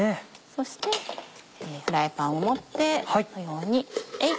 そしてフライパンを持ってこのようにえい！